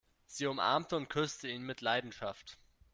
Sie umarmte und küsste ihn mit Leidenschaft.